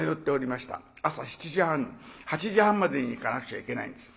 朝７時半８時半までに行かなくちゃいけないんです。